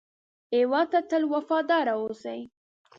هېواد ته تل وفاداره اوسئ